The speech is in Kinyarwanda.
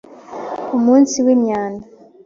Umunsi wimyanda.